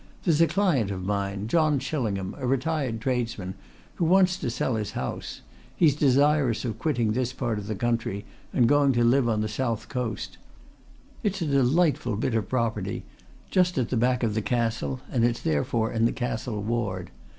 There's a client of mine, John Chillingham, a retired tradesman, who wants to sell his house he's desirous of quitting this part of the country and going to live on the South Coast. It's a delightful bit of property, just at the back of the Castle, and it's therefore in the Castle Ward.